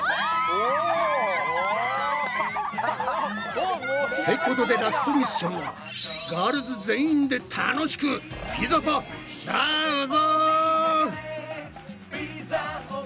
お！ってことでラストミッションはガールズ全員で楽しくピザパしちゃうぞ！